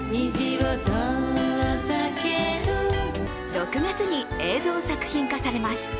６月に映像・作品化されます。